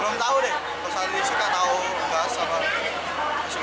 belum tahu deh kalau selain industri nggak tahu gas apa apa